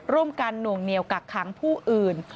หน่วงเหนียวกักขังผู้อื่น